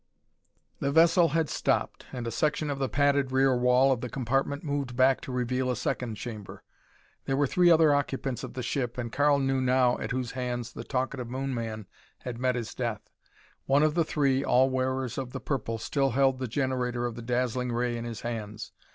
The vessel had stopped and a section of the padded rear wall of the compartment moved back to reveal a second chamber. There were three other occupants of the ship and Karl knew now at whose hands the talkative Moon man had met his death. One of the three all wearers of the purple still held the generator of the dazzling ray in his hands.